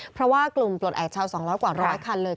เพราะว่ากลุ่มปลดแอบชาว๒๐๐กว่า๑๐๐คันเลย